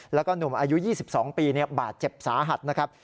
แล้วก็หนุ่มอายุ๒๒ปีบาดเจ็บสาหัสนะครับ